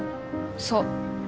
そう。